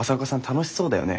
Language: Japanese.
楽しそうだよね